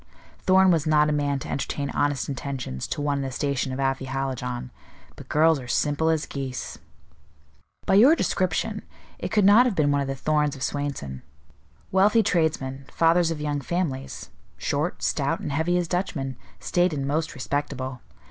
Thorn was not a man to entertain honest intentions to one in the station of Afy Hallijohn; but girls are simple as geese." "By your description, it could not have been one of the Thorns of Swainson. Wealthy tradesmen, fathers of young families, short, stout, and heavy as Dutchmen, staid and most respectable.